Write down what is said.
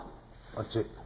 あっち。